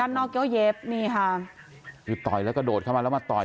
ด้านนอกเกี่ยวเย็บนี่ค่ะหยุดต่อยแล้วก็โดดเข้ามาแล้วมาต่อย